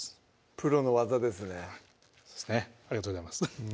プロの技ですねありがとうございます